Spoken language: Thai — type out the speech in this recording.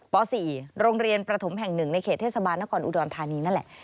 ป๔โรงเรียนประถมแห่ง๑ในเขตเทศบาลนครอุดรธานีนั่นแหละ